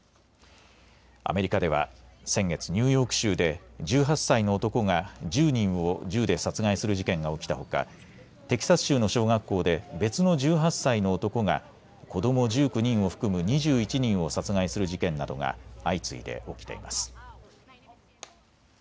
アメリカでは先月、ニューヨーク州で１８歳の男が１０人を銃で殺害する事件が起きたほかテキサス州の小学校で別の１８歳の男が子ども１９人を含む２１人を殺害する事件などが相次いで起きています。